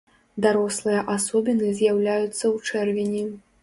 Дарослыя асобіны з'яўляюцца ў чэрвені.